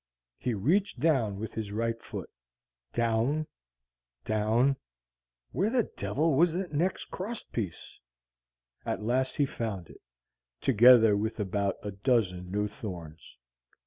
He reached down with his right foot down, down where the devil was that next cross piece? At last he found it, together with about a dozen new thorns.